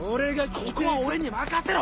ここは俺に任せろ！